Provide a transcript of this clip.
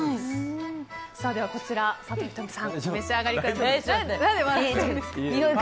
では、佐藤仁美さんお召し上がりください。